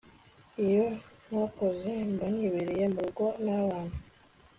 iyo ntakoze mbanibereye murugo nabana